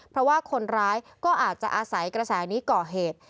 เพราะว่าคนร้ายก็อาจจะอาศัยกระแสนี้ก่อเหตุ